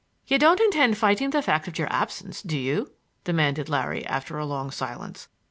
"You don't intend fighting the fact of your absence, do you?" demanded Larry, after a long silence.